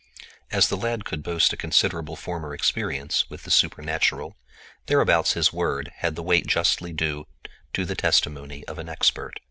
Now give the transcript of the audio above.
As the lad could boast a considerable former experience with the supernatural thereabouts his word had the weight justly due to the testimony of an expert.